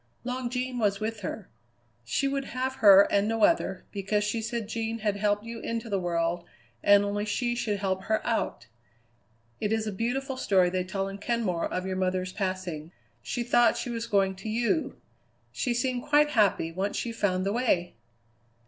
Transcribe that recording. "Long Jean was with her. She would have her and no other, because she said Jean had helped you into the world and only she should help her out. It is a beautiful story they tell in Kenmore of your mother's passing. She thought she was going to you. She seemed quite happy once she found the way!